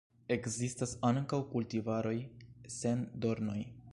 Ekzistas ankaŭ kultivaroj sen dornoj.